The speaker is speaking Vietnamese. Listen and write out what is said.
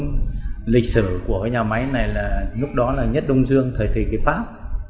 truyền thống lịch sử của cái nhà máy này là lúc đó là nhất đông dương thời thầy kỳ pháp